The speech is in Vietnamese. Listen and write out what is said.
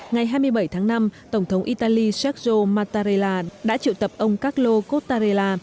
ngày hai mươi bảy tháng năm tổng thống italy sergio mattarella đã triệu tập ông carlo cottarella